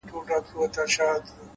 ښه نوم تر شتمنۍ ارزښتمن دی؛